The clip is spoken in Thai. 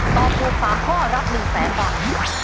ตอบถูก๓ข้อรับ๑แสนบาท